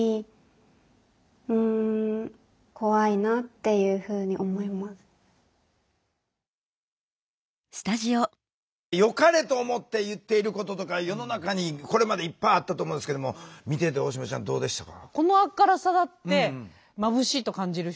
そういうふうによかれと思って言っていることとか世の中にこれまでいっぱいあったと思うんですけども見てて大島ちゃんどうでしたか？